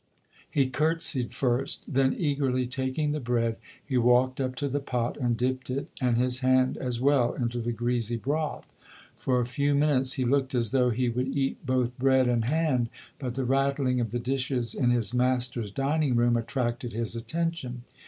He curtsied first, then eagerly taking the bread, he walked up to the pot and dipped it and his hand as well into the greasy broth. For a few minutes he looked as though he would eat both bread and hand but the rattling of the dishes in his master's dining room attracted his attention.